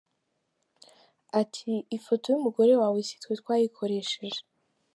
Ati “Ifoto y’umugore wawe sitwe twayikoresheje.